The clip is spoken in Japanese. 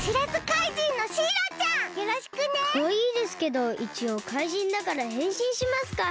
かわいいですけどいちおうかいじんだからへんしんしますか。